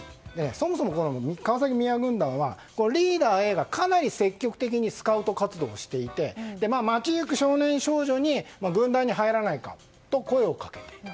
そもそも川崎宮軍団はリーダーＡがかなり積極的にスカウト活動をしていて街行く少年少女に軍団に入らないかと声をかける。